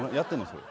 それ。